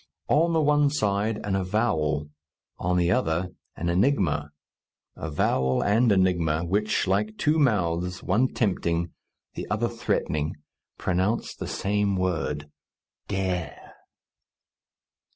On the one side an avowal; on the other an enigma avowal and enigma, which, like two mouths, one tempting, the other threatening, pronounce the same word, Dare!